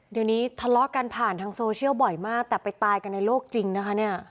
เดี๋ยวนี้ทะเลาะกันผ่านทางโซเชียลบ่อยมากแต่ไปตายกันในโลกจริงนะคะเนี่ย